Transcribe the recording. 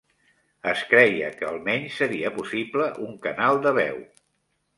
Es creia que al menys seria possible un canal de veu.